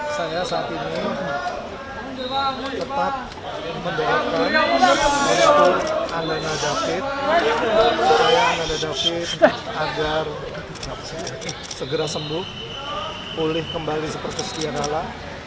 saya saat ini tetap mendaikan untuk ananda david agar segera sembuh pulih kembali seperti setiap malam